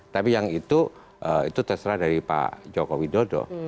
tapi yang itu terserah dari pak joko widodo